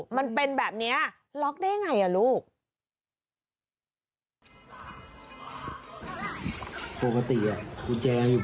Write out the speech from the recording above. มันเป็นแบบนี้ล็อกได้ไงลูก